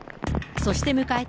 そして迎えた